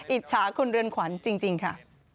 อิจฉาคุณเรือนขวัญจริงค่ะ